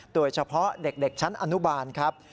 โดยเฉพาะเด็กชั้นอนุบาลครับ